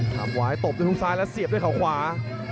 หาบวายโตบด้วยฮุกซ้ายและเสียบด้วยเขาขวา